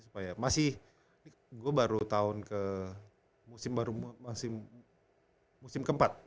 supaya masih gua baru tahun ke musim baru musim keempat